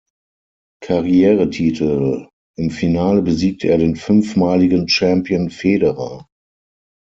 Karrieretitel, im Finale besiegte er den fünfmaligen Champion Federer.